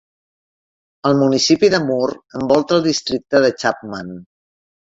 El municipi de Moore envolta el districte de Chapman.